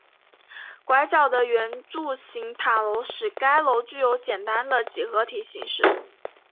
拐角的圆柱形塔楼使该楼具有简单的几何体形式。